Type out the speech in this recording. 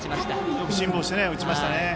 よく辛抱して打ちました。